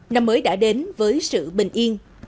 năm mới đã đến với sự bình yên